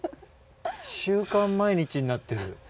「週刊毎日」になってる。